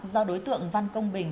do đối tượng văn công bình